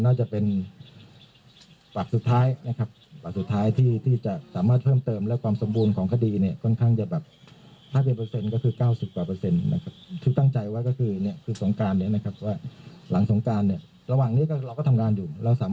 ว่าส่งสำนวนให้อาการได้ครับ